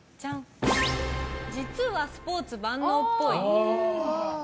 実はスポーツ万能っぽい。